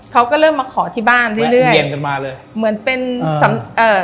เขาก็เริ่มมาขอที่บ้านเรื่อยเรื่อยเหมือนเป็นเอ่อ